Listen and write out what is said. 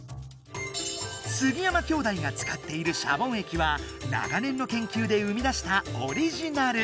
杉山兄弟がつかっているシャボン液は長年のけんきゅうで生み出したオリジナル！